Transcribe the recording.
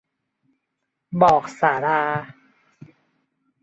บอกศาลา